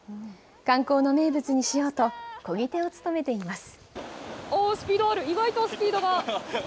観光の名物にしようと、こぎ手を務めています。